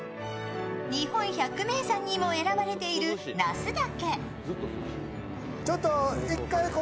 日本百名山にも選ばれている那須岳。